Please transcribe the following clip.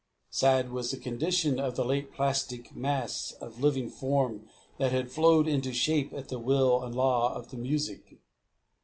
Sad was the condition of the late plastic mass of living form that had flowed into shape at the will and law of the music.